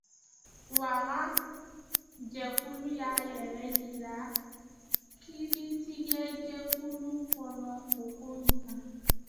Ouaga gofɛrɛnaman y’a yɛrɛ jira kiritigɛjɛkulu kɔnɔ o ko in kan.